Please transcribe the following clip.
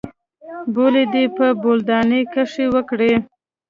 بولې دې په بولدانۍ کښې وکړې.